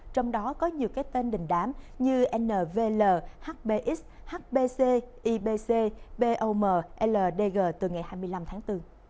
trong đó có nhiều cái tên đình đám như nvl hbx hbc ibc bom ldg từ ngày hai mươi năm tháng bốn